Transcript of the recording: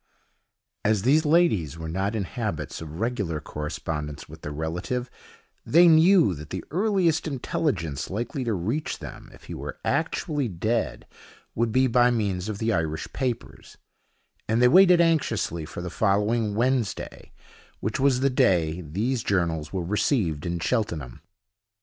'" As these ladies were not in habits of regular correspondence with their relative, they knew that the earliest intelligence likely to reach them, if he were actually dead, would be by means of the Irish papers; and they waited anxiously for the following Wednesday, which was the day these journals were received in Cheltenham.